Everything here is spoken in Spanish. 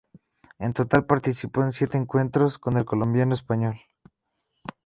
En total, participó en siete encuentros con el combinado español.